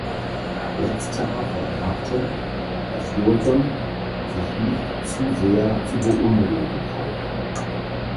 Letzterer vermerkte, dass Jolson sich nicht zu sehr zu beunruhigen brauche.